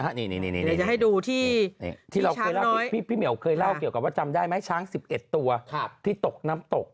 คนไทยไปเที่ยวกันเยอะงะไม่แล้วเขา